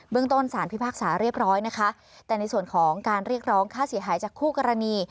ต้นสารพิพากษาเรียบร้อยนะคะแต่ในส่วนของการเรียกร้องค่าเสียหายจากคู่กรณี